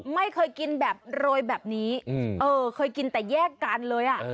ไม่เคยกินแบบโรยแบบนี้เออเคยกินแต่แยกกันเลยอ่ะ